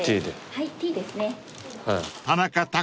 はい。